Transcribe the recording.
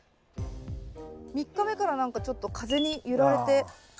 ３日目から何かちょっと風に揺られて。